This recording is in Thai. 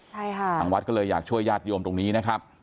ใช่ค่ะทางวัดก็เลยอยากช่วยญาติโยมตรงนี้นะครับ